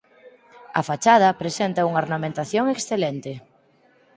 A fachada presenta unha ornamentación excelente.